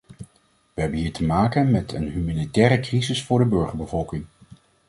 We hebben hier te maken met een humanitaire crisis voor de burgerbevolking.